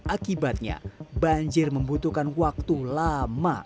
akibatnya banjir membutuhkan waktu lama